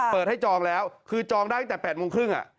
เปิดให้จองแล้วคือจองได้ตั้งแต่๘โมงครึ่ง